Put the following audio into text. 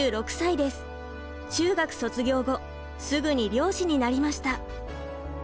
中学卒業後すぐに漁師になりました。